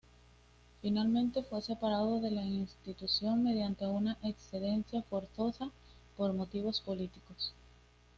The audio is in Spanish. Finalmente fue separado de la institución mediante una excedencia forzosa por motivos políticos.